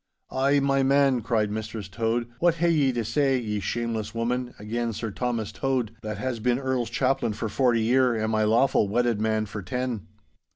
'Ay, my man,' cried Mistress Tode, 'what hae ye to say, ye shameless woman, again Sir Thomas Tode, that has been Earl's chaplain for forty year and my lawfu' wedded man for ten?